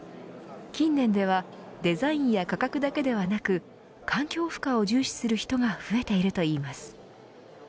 近年ではデザインや価格だけではなく環境負荷を重視する人が増えているといいます。